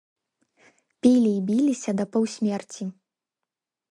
Пілі і біліся да паўсмерці.